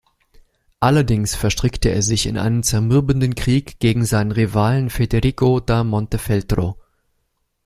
Allerdings verstrickte er sich in einen zermürbenden Krieg gegen seinen Rivalen Federico da Montefeltro.